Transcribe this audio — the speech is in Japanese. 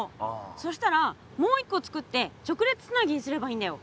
そしたらもう一個つくって直列つなぎにすればいいんだよ！